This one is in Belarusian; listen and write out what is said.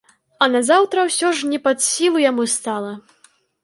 А назаўтра ўсё ж не пад сілу яму стала.